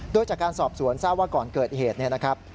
โดยจากการสอบสวนทราบว่าก่อนเกิดเหตุเนี่ยนะครับ